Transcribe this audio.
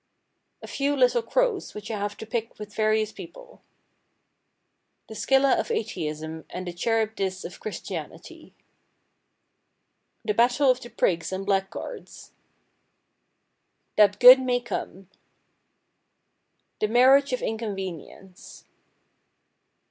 A Few Little Crows which I have to pick with various people. The Scylla of Atheism and the Charybdis of Christianity. The Battle of the Prigs and Blackguards. That Good may Come. The Marriage of Inconvenience.